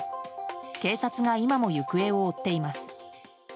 警察が今も行方を追っています。